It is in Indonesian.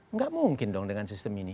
nggak mungkin dong dengan sistem ini